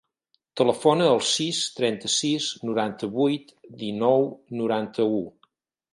Telefona al sis, trenta-sis, noranta-vuit, dinou, noranta-u.